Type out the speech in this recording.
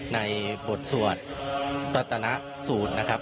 ในบทสวดรัตนสูตรนะครับ